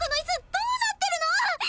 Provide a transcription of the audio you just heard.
どうなってるの？